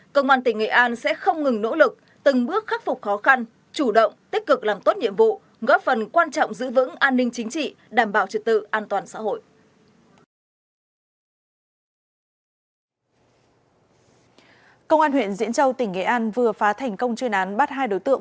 công an huyện diễn châu tỉnh nghệ an vừa phá thành công chuyên án bắt hai đối tượng